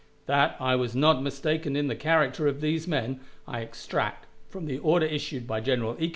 That I was not mistaken in the character of these men, I extract from the order issued by General E.